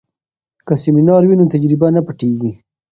که سمینار وي نو تجربه نه پټیږي.